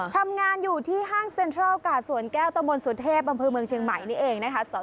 ทำงานอยู่ที่ห้างเซ็นทรัลกาดสวนแก้วตะมนต์สุเทพอำเภอเมืองเชียงใหม่นี่เองนะคะ